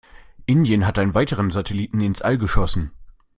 Indien hat einen weiteren Satelliten ins All geschossen.